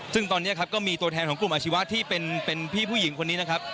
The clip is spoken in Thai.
ซึ่งตอนนี้ครับก็มีตัวแทนของกลุ่มอาชีวะที่เป็นพี่ผู้หญิงคนนี้นะครับ